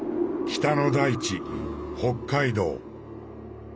北の大地北海道。